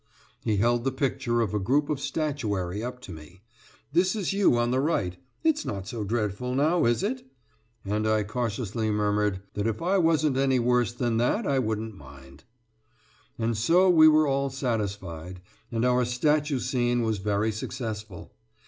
He held the picture of a group of statuary up to me. "This is you on the right. It's not so dreadful; now, is it?" And I cautiously murmured: "That if I wasn't any worse than that I wouldn't mind." And so we were all satisfied, and our statue scene was very successful.